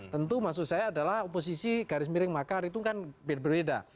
tentu maksud saya adalah oposisi garis miring makar itu kan berbeda